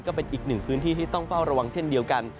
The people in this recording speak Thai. ก็เป็นอีกหนึ่งพื้นที่ที่ต้องเฝ้าระวังเช่นเดียวกัน